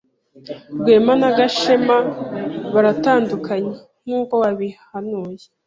Rwema na Gashema baratandukanye, nkuko wabihanuye.